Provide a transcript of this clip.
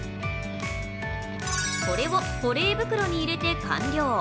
これを保冷袋に入れて完了。